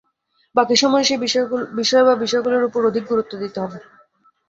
বাকি সময়ে সেই বিষয় বা বিষয়গুলোর ওপর অধিক গুরুত্ব দিতে হবে।